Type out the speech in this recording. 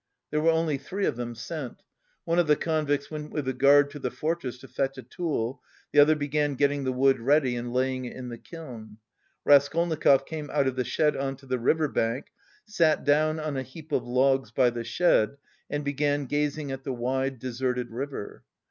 There were only three of them sent. One of the convicts went with the guard to the fortress to fetch a tool; the other began getting the wood ready and laying it in the kiln. Raskolnikov came out of the shed on to the river bank, sat down on a heap of logs by the shed and began gazing at the wide deserted river.